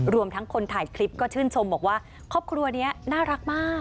รวมทั้งคนถ่ายคลิปก็ชื่นชมบอกว่าครอบครัวนี้น่ารักมาก